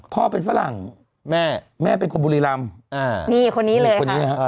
พ่อเป็นฝรั่งแม่แม่เป็นคนบุรีรามอ่านี่คนนี้เลยค่ะอ่า